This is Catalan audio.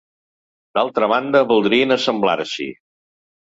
D'altra banda, voldrien assemblar-s'hi.